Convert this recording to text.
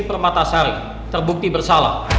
permata sari terbukti bersalah